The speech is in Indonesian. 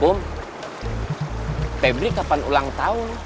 bum febri kapan ulang tahun